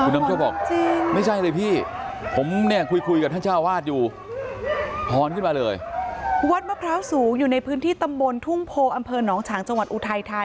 หมาหอนจริงคุณนำโชคบอกไม่ใช่เลยพี่